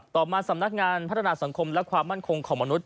ต่อมาสำนักงานพัฒนาสังคมและความมั่นคงของมนุษย